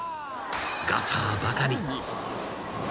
［ガターばかり］